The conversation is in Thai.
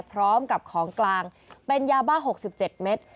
พร้อมกับของกลางเป็นยาบ้าหกสิบเจ็ดเมตร